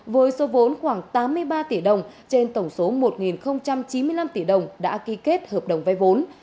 với số vốn khoảng tám mươi ba tỷ đồng trên tổng số một chín mươi năm tỷ đồng đã ký kết hợp đồng vay vốn